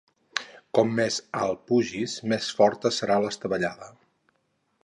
Com més alt pugis, més forta serà l'estavellada.